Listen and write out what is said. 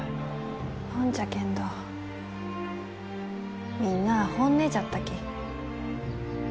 ほんじゃけんどみんなあ本音じゃったき。